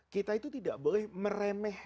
kita itu tidak boleh meremeh